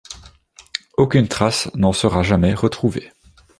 Aucune trace n'en sera jamais retrouvée.